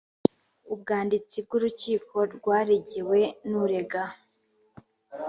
ubwanditsi bw ‘urukiko rwaregewe n ‘urega.